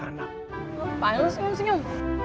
apaan lo senyum senyum